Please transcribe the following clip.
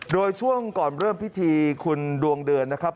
โดยช่วงก่อนเริ่มพิธีคุณดวงเดือนนะครับ